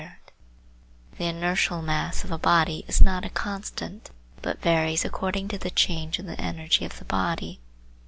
gif the inertial mass of a body is not a constant but varies according to the change in the energy of the body.